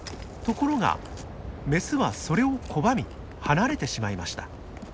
ところがメスはそれを拒み離れてしまいました。